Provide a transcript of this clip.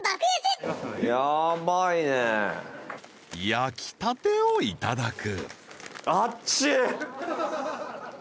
［焼きたてをいただく］